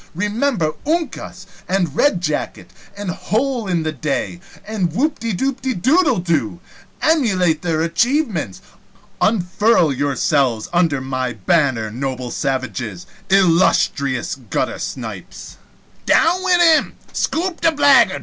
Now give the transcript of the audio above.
Remember Uncas! and Red jacket! and Hole in the Day! and Whoopdedoodledo! Emulate their achievements! Unfurl yourselves under my banner, noble savages, illustrious guttersnipes " "Down wid him!" "Scoop the blaggard!"